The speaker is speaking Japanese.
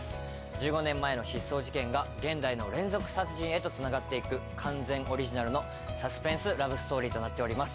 １５年前の失踪事件が現代の連続殺人へとつながっていく完全オリジナルのサスペンスラブストーリーとなっております